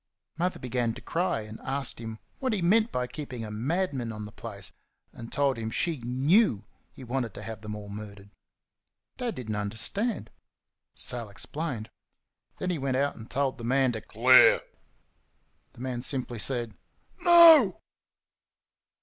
Mother began to cry, and asked him what he meant by keeping a madman on the place, and told him she KNEW he wanted to have them all murdered. Dad did n't understand. Sal explained. Then he went out and told the man to "Clear!" The man simply said, "No."